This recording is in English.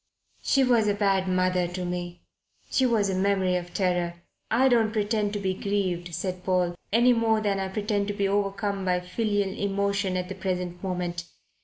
"She was a bad mother to me. She is a memory of terror. I don't pretend to be grieved," said Paul; "any more than I pretend to be overcome by filial emotion at the present moment.